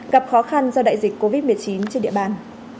gặp khó khăn do đại dịch covid một mươi chín trên địa bàn